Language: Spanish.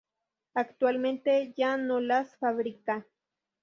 Actualmente ya no las fabrica.